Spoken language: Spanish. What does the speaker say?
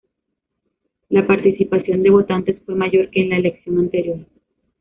La participación de votantes fue mayor que en la elección anterior.